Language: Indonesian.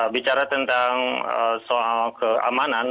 bicara tentang soal keamanan